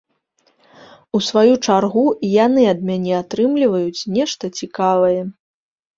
У сваю чаргу і яны ад мяне атрымліваюць нешта цікавае.